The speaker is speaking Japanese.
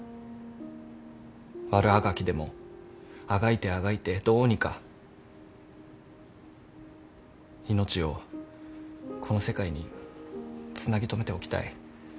悪あがきでもあがいてあがいてどうにか命をこの世界につなぎ留めておきたい。